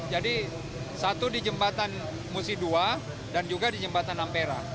jadi satu di jembatan musi ii dan juga di jembatan ampera